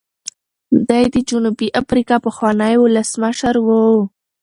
دی د جنوبي افریقا پخوانی ولسمشر و.